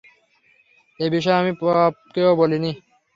এ বিষয়টা আমি পাপাকেও বলিনি।